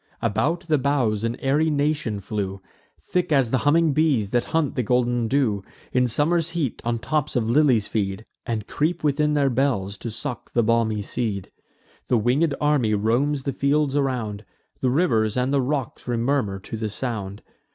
About the boughs an airy nation flew, Thick as the humming bees, that hunt the golden dew; In summer's heat on tops of lilies feed, And creep within their bells, to suck the balmy seed: The winged army roams the fields around; The rivers and the rocks remurmur to the sound.